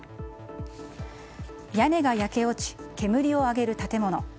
屋根が焼け落ち煙を上げる建物。